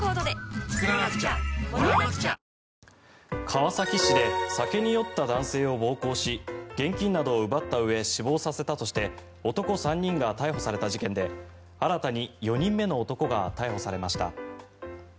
川崎市で酒に酔った男性を暴行し現金などを奪ったうえ死亡させたとして男３人が逮捕された事件で新たに４人目の男が逮捕されました。